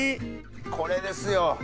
これですよ。